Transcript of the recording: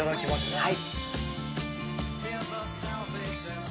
はい。